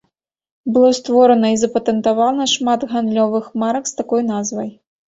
Было створана і запатэнтавана шмат гандлёвых марак з такой назвай.